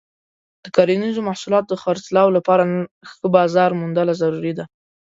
د کرنیزو محصولاتو د خرڅلاو لپاره ښه بازار موندنه ضروري ده.